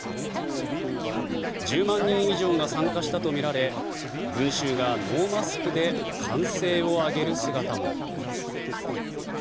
１０万人以上が参加したとみられ群衆がノーマスクで歓声を上げる姿も。